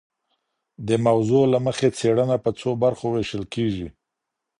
د موضوع له مخي څېړنه په څو برخو وېشل کيږي.